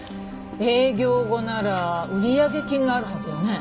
営業後なら売上金があるはずよね。